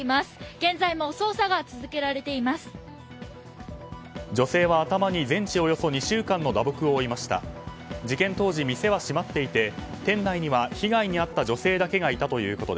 現在も捜査が続けられています。